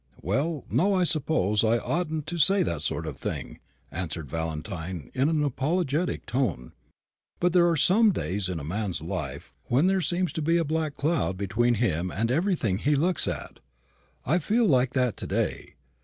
"Well, no, I suppose I oughtn't to say that sort of thing," answered Valentine in an apologetic tone; "but there are some days in a man's life when there seems to be a black cloud between him and everything he looks at. I feel like that today.